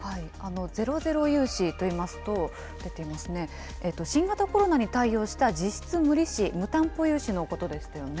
ゼロゼロ融資といいますと、出ていますね、新型コロナに対応した実質無利子・無担保融資のことでしたよね。